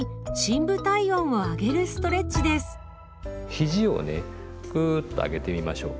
ひじをねクーッと上げてみましょうか。